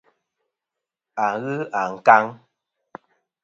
A ghɨ ankaŋ.